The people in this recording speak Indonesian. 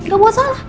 gak buat salah